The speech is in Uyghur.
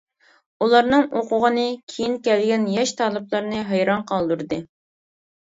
ئۇلارنىڭ ئوقۇغىنى كېيىن كەلگەن ياش تالىپلارنى ھەيران قالدۇردى.